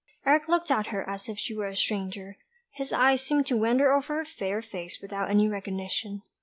Eric looked at her as if she were a stranger; his eyes seemed to wander over her fair face without any recognition.